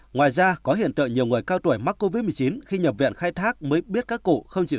ngoài ra có hiện trợ nhiều người cao tuổi mắc covid một mươi chín khi nhập viện khai thác mới biết các cụ